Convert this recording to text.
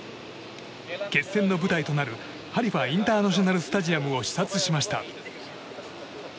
決戦の舞台となるハリファインターナショナルスタジアムを視察しました。